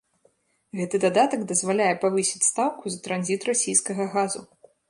Гэты дадатак дазваляе павысіць стаўку за транзіт расійскага газу.